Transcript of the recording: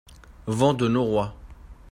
Vent de noroît.